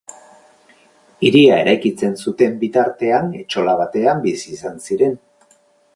Hiria eraikitzen zuten bitartean etxola batean bizi izan ziren.